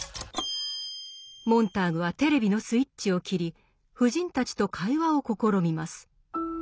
モンターグはテレビのスイッチを切り夫人たちと会話を試みます。